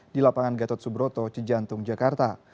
di lapangan gatot subroto cijantung jakarta